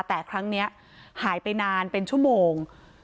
แต่ครั้งนี้หายไปนานเป็นชั่วโมง